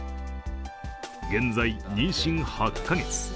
現在、妊娠８か月。